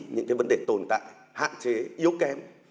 những vấn đề tồn tại hạn chế yếu kém